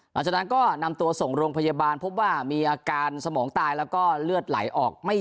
หลังจากนั้นก็นำตัวส่งโรงพยาบาลพบว่ามีอาการสมองตายแล้วก็เลือดไหลออกไม่